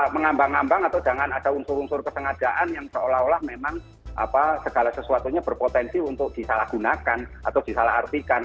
mengambang ambang atau jangan ada unsur unsur kesengajaan yang seolah olah memang segala sesuatunya berpotensi untuk disalahgunakan atau disalah artikan